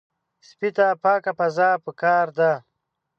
سپي ته پاکه فضا پکار ده.